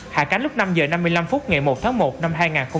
hạ cánh lúc năm h năm mươi năm phút ngày một tháng một năm hai nghìn hai mươi